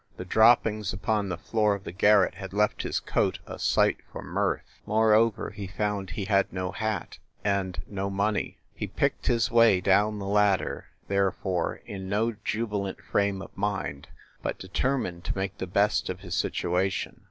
The droppings upon the floor of the garret had left his coat a sight for mirth. More over, he found he had no hat, and no money. He picked his way down the ladder, therefore, in no jubilant frame of mind, but determined to make the best of his situation.